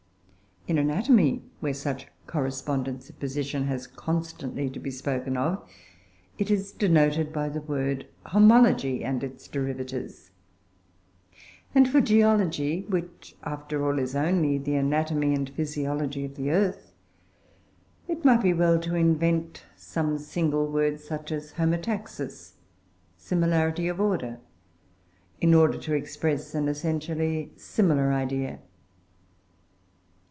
In anatomy, where such correspondence of position has constantly to be spoken of, it is denoted by the word "homology" and its derivatives; and for Geology (which after all is only the anatomy and physiology of the earth) it might be well to invent some single word, such as "homotaxis" (similarity of order), in order to express an essentially similar idea.